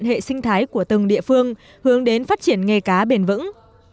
hệ sinh thái của từng địa phương hướng đến phát triển nghề cá bền vững